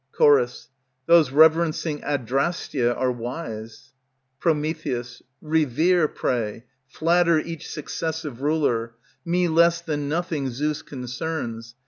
Ch. Those reverencing Adrastia are wise. Pr. Revere, pray, flatter each successive ruler. Me less than nothing Zeus concerns.